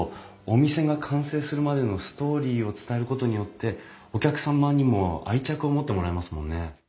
お店が完成するまでのストーリーを伝えることによってお客様にも愛着を持ってもらえますもんね。